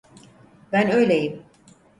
Ben öyleyim.